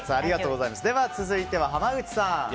続いては、濱口さん。